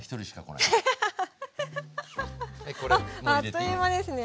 あっという間ですね。